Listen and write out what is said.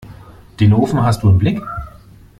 Den Ofen hast du im Blick?